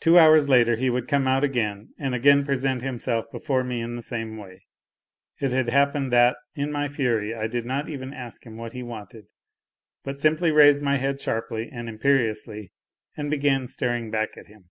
Two hours later he would come out again and again present himself before me in the same way. It had happened that in my fury I did not even ask him what he wanted, but simply raised my head sharply and imperiously 142 NOTES FROM UNDERGROUND and began staring back at him.